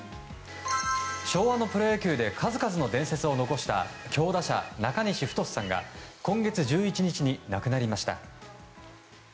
昭和のプロ野球で数々の伝説を残した強打者・中西太さんが今月１１日に亡くなりました。